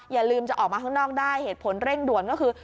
อย่าลืมจะออกมาข้างนอกได้เหตุผลเร่งด่วนก็คือ